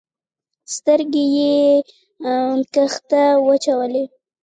سترګي یې کښته واچولې !